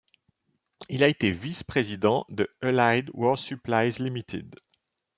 Il a été vice-président de Allied War Supplies Ltd.